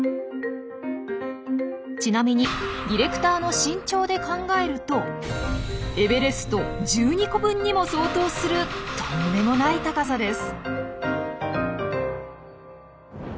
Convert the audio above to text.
ちなみにディレクターの身長で考えるとエベレスト１２個分にも相当するとんでもない高さです！